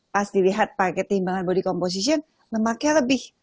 pas dilihat pakai timbangan body composition lemaknya lebih